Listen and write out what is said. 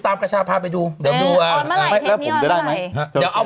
ตามกระชาพาไปดูเอออ่อนมาไหล่แล้วผมจะได้ไหมฮะเดี๋ยวเอา